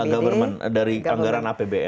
government dari anggaran apbn